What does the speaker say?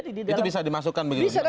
itu bisa dimasukkan begitu